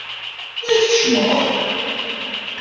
I tkecmeḍ-d?